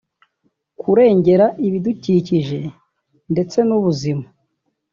kurengera ibidukikije ndetse n’ubuzima